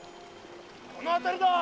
〔この辺りだ！